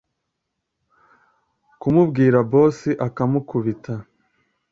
kumubwira boss akimukubita